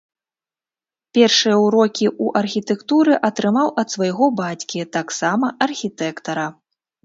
Першыя ўрокі ў архітэктуры атрымаў ад свайго бацькі, таксама архітэктара.